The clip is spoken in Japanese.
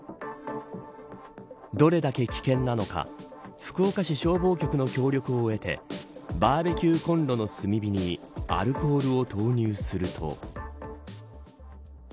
どれだけ危険なのか福岡市消防局の協力を得てバーベキューコンロの炭火にアルコールを投入すると。